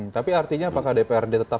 tapi artinya apakah dprd tetap